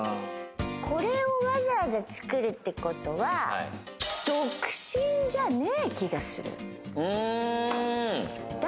これをわざわざ作るってことは独身じゃねえ気がする。